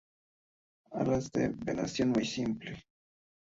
Alas de venación muy simple.